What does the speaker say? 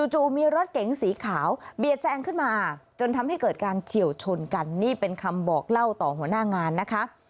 จู่มีรถเก๋งสีขาวเบียดแซงขึ้นมาจนทำให้เกิดการเฉียวชนกันนี่เป็นคำบอกเล่าต่อหัวหน้างานนะคะ